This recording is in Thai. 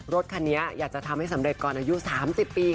รถคันนี้อยากจะทำให้สำเร็จก่อนอายุ๓๐ปี